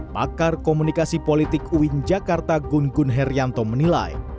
pakar komunikasi politik uin jakarta gun gun herianto menilai